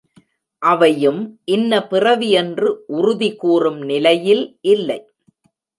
அவையும் இன்ன பிறவி என்று உறுதி கூறும் நிலையில் இல்லை.